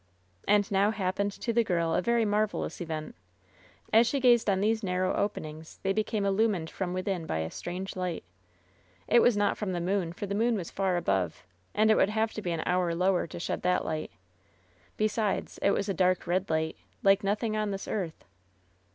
And now happened to the girl a very marvelous event. As she gazed on these narrow openings they became illumined from within by a strange light. It was not from the moon, for the moon was far above, and would have to be an hour lower to shed that light. Besides, it was a dark, red light, like nothing on this earth.